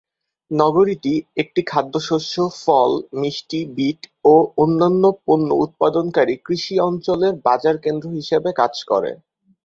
নগরীটি একটি খাদ্যশস্য, ফল, মিষ্টি বিট ও অন্যান্য পণ্য উৎপাদনকারী কৃষি অঞ্চলের বাজার কেন্দ্র হিসেবে কাজ করে।